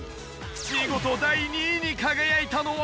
見事第２位に輝いたのは。